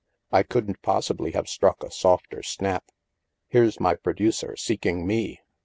I couldn't possi bly have struck a softer snap. Here's my pro ducer, seeking me.